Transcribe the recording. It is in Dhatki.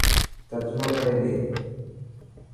ترجمو ڪري ڏي.